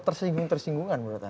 tersinggung tersinggungan menurut anda